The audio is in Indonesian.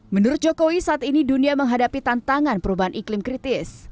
menurut jokowi saat ini dunia menghadapi tantangan perubahan iklim kritis